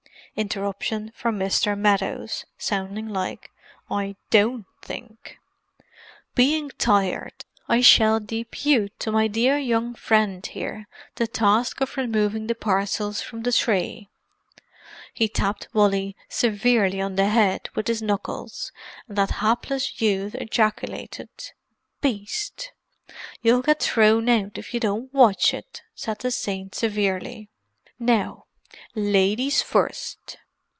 (Interruption from Mr. Meadows, sounding like "I don't think!") "Being tired, I shall depute to my dear young friend here the task of removing the parcels from the tree." He tapped Wally severely on the head with his knuckles, and that hapless youth ejaculated, "Beast!". "You'll get thrown out, if you don't watch it!" said the saint severely. "Now—ladies first!"